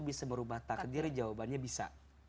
bisa merubah takdir jawabannya bisa